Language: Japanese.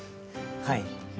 はい。